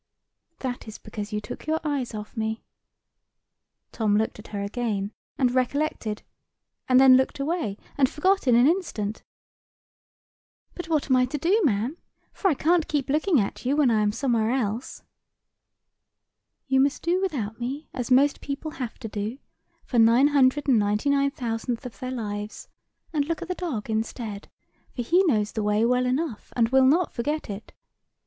"That is because you took your eyes off me." Tom looked at her again, and recollected; and then looked away, and forgot in an instant. "But what am I to do, ma'am? For I can't keep looking at you when I am somewhere else." "You must do without me, as most people have to do, for nine hundred and ninety nine thousandths of their lives; and look at the dog instead; for he knows the way well enough, and will not forget it.